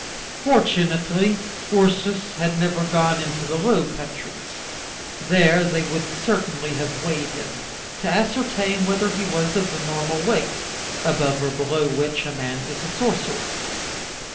Fortunately Ursus had never gone into the Low Countries; there they would certainly have weighed him, to ascertain whether he was of the normal weight, above or below which a man is a sorcerer.